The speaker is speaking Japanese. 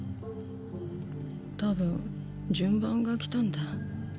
たぶん順番が来たんだ。